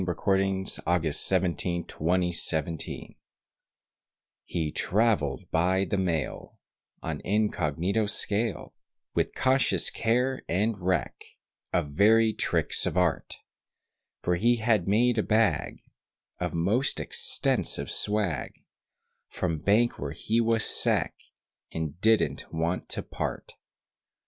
[Illustration: Sonnet on Parting] HE travelled by the mail, On incognito scale, With cautious care, and reck, Of varied tricks of art. For he had made a bag, Of most extensive swag, From bank where he was sec., And didn't want to part.